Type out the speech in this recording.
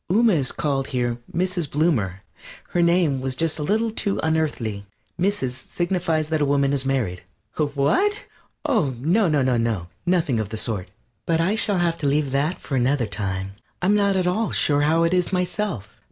Ooma is called here Mrs. Bloomer. Her own name was just a little too unearthly. Mrs. signifies that a woman is married. What? Oh, no, no, no, nothing of the sort. But I shall have to leave that for another time. I'm not at all sure how it is myself.